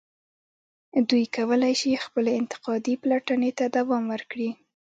دوی کولای شي خپلې انتقادي پلټنې ته دوام ورکړي.